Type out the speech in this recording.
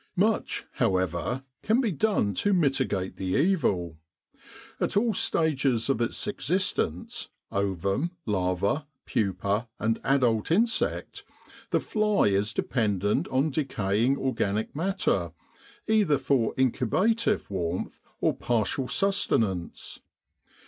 Much, however, can be done to mitigate the evil. At all stages of its existence ovum, larva, pupa and adult insect the fly is dependent on decaying organic matter either for incubative warmth or partial susten ance.